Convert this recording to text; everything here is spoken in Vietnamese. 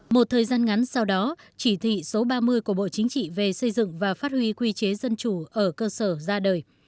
một thời gian ngắn sau đó chỉ thị số ba mươi của bộ chính trị về xây dựng và phát huy quy chế dân chủ ở cơ sở ra đời